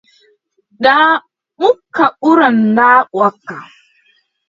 Ndaa mukka ɓuran ndaa wakka.